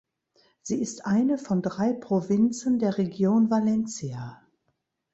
Sie ist eine von drei Provinzen der Region Valencia.